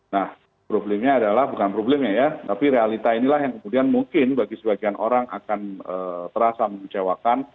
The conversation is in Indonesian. nah problemnya adalah bukan problemnya ya tapi realita inilah yang kemudian mungkin bagi sebagian orang akan terasa mengecewakan